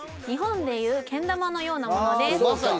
日本でいうけん玉のようなものです